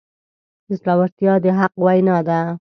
زړورتیا د حق وینا ده.